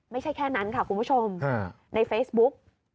ไม่ใช่แค่นั้นค่ะคุณผู้ชมในเฟซบุ๊ก